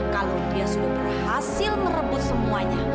kalau dia sudah berhasil merebut semuanya